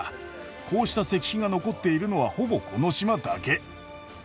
こうした石碑が残っているのはほぼこの島だけ。